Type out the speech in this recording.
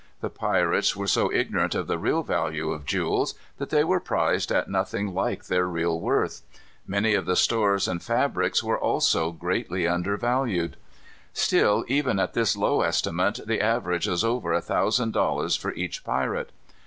The pirates were so ignorant of the real value of jewels, that they were prized at nothing like their real worth. Many of the stores and fabrics were also greatly undervalued. Still, even at this low estimate, the average was over a thousand dollars for each pirate.